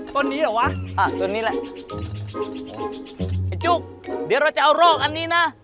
ต้นนี้เหรอวะอ่ะต้นนี้แหละไอ้จุ๊กเดี๋ยวเราจะเอารอกอันนี้นะ